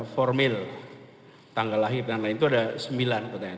formil tanggal lahir dan lain itu ada sembilan pertanyaan